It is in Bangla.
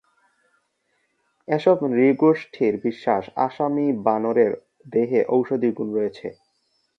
এসব নৃগোষ্ঠীর বিশ্বাস আসামি বানরের দেহে ঔষধি গুণ আছে।